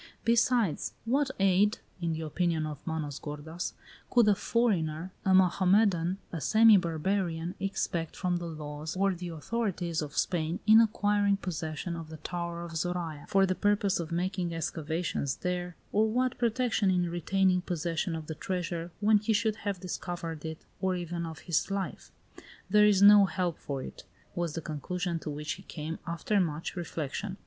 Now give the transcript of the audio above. "Besides, what aid" (in the opinion of Manos gordas) "could a foreigner, a Mohammedan, a semi barbarian, expect from the laws or the authorities of Spain, in acquiring possession of the Tower of Zoraya for the purpose of making excavations there, or what protection in retaining possession of the treasure when he should have discovered it, or even of his life? There is no help for it," was the conclusion to which he came, after much reflection.